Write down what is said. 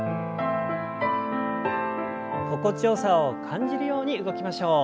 心地よさを感じるように動きましょう。